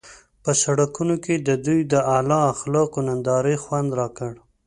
په سړکونو کې د دوی د اعلی اخلاقو نندارې خوند راکړ.